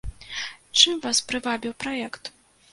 Чым вас прывабіў праект?